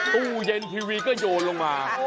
ตู้เย็นทีวีก็โยนลงมา